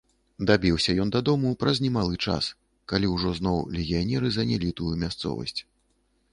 Дабіўся ён дадому праз немалы час, калі ўжо зноў легіянеры занялі тую мясцовасць.